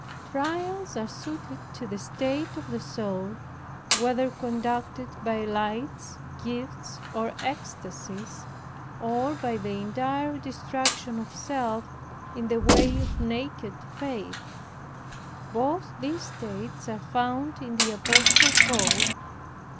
Trial are suited to the state of the soul, whether conducted by lights, gifts, or ecstasies, or by the entire destruction of self in the way of naked faith. Both these states are found in the apostle Paul.